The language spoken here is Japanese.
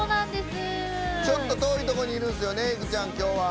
ちょっと遠いところにいるんですよね、きょうは。